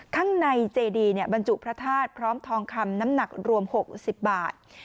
ข้างในเจดีบรรจุพระธาตุพร้อมทองคำน้ำหนักรวม๖๐บาท